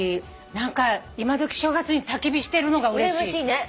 今どき正月にたき火してるのがうれしい。